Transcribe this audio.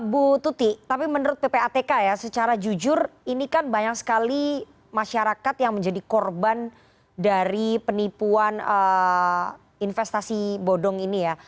bu tuti tapi menurut ppatk ya secara jujur ini kan banyak sekali masyarakat yang menjadi korban dari penipuan investasi bodong ini ya